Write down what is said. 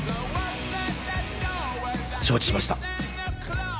承知しました。